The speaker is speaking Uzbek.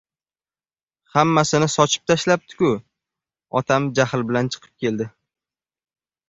— Hammasini sochib tashlabdi-ku! — otam jahl bilan chiqib keldi.